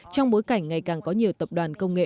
trong bối cảnh ngày càng có nhiều tập đoàn công nghệ